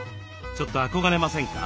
ちょっと憧れませんか？